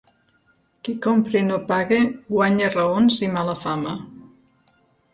Qui compra i no paga guanya raons i mala fama.